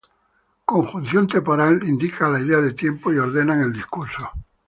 Conjunción temporal: Indican la idea de tiempo, y ordenan el discurso.